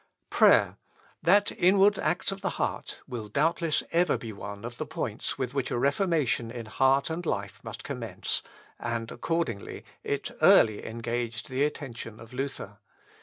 Prayer, that inward act of the heart, will doubtless ever be one of the points with which a reformation in heart and life must commence, and, accordingly, it early engaged the attention of Luther.